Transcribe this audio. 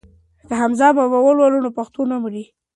که حمزه بابا ولولو نو پښتو نه مري.